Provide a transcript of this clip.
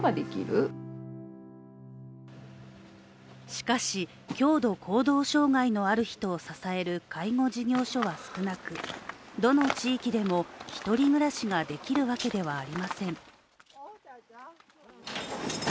しかし、強度行動障害のある人を支える介護事業所は少なく、どの地域でも１人暮らしができるわけではありません。